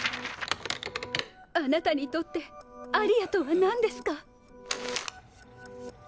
あなたにとってアリアとはなんですか？